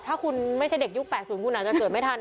ถ้าคุณไม่ใช่เด็กยุค๘๐คุณอาจจะเกิดไม่ทัน